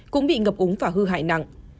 cũng bị ngập úng và hư hại nặng